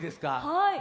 はい。